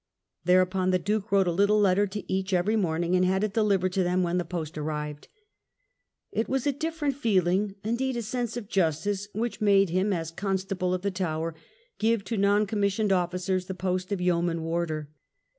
Thereupon the Duke wrote a little letter to each every morning, and had it delivered to them when the post arrived. It was a diflferent feeling, indeed a sense of justice, which made him, as Constable of the Tower, give to non commissioned officers the post of Yeoman Warder.